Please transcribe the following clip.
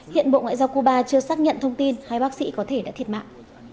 hiện bộ ngoại giao cuba chưa xác nhận thông tin hai bác sĩ có thể đã thiệt mạng